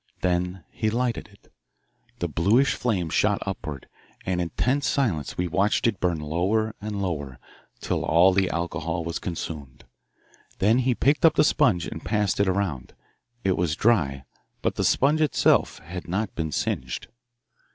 Then he lighted it. The bluish flame shot upward, and in tense silence we watched it burn lower and lower, till all the alcohol was consumed. Then he picked up the sponge and passed it around. It was dry, but the sponge itself had not been singed.